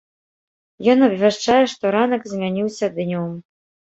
Ён абвяшчае, што ранак змяніўся днём.